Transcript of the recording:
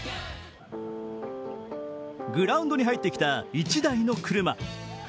グラウンドに入ってきた１台の車。